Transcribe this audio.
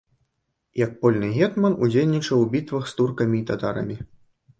Як польны гетман удзельнічаў у бітвах з туркамі і татарамі.